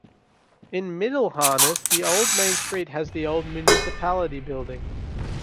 In Middelharnis the old main street has the old municipality building.